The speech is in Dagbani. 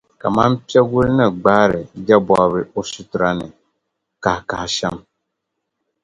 kaman piɛgula ni gbahiri jɛbɔbiri o situra ni kahikahi shɛm.